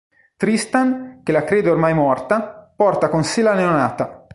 Tristán che la crede ormai morta, porta con sé la neonata.